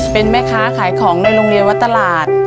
เป็นแม่ค้าขายของในโรงเรียนวัดตลาด